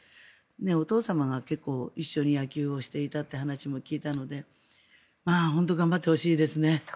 お父様が結構一緒に野球をしていたという話も聞いたので本当に頑張ってほしいですね。